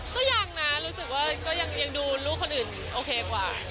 ก็ยังนะรู้สึกว่าก็ยังดูลูกคนอื่นโอเคกว่า